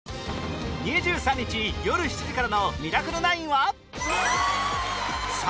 ２３日よる７時からの『ミラクル９』は